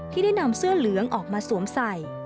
ที่ได้นำเสื้อเหลืองออกมาสวมใส่